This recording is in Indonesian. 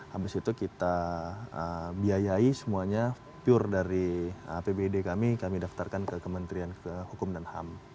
habis itu kita biayai semuanya pure dari apbd kami kami daftarkan ke kementerian hukum dan ham